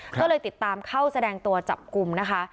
ก็เลยติดตามเข้าแสดงตัวจับกลุ่มนะคะ